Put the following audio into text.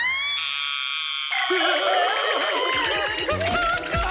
母ちゃん！